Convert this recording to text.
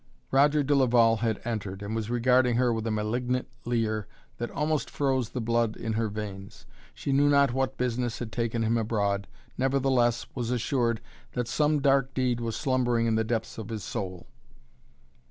Roger de Laval had entered and was regarding her with a malignant leer that almost froze the blood in her veins. She knew not what business had taken him abroad. Nevertheless was assured that some dark deed was slumbering in the depths of his soul.